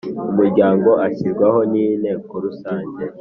Umuryango ashyirwaho n inteko rusange